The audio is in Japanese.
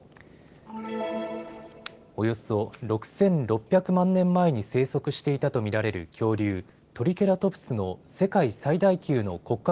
およそ６６００万年前に生息していたと見られる恐竜、トリケラトプスの世界最大級の骨格